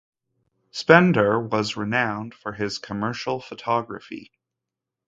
Spender was renowned for his commercial photography.